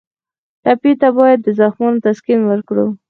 ټپي ته باید د زخمونو تسکین ورکړو.